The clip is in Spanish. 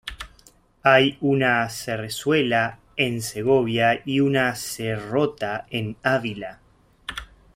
Hay una Serrezuela en Segovia y una Serrota en Ávila.